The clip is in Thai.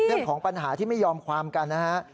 เรื่องของปัญหาที่ไม่ยอมความกันนะฮะ